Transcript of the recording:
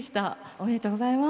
おめでとうございます。